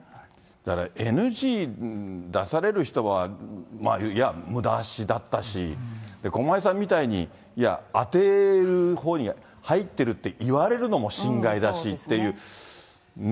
だからＮＧ出される人はむだ足だったし、駒井さんみたいに、いや、当てるほうに入っているって言われるのも心外だしっていうね。